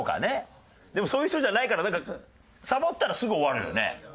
でもそういう人じゃないからサボったらすぐ終わるよね。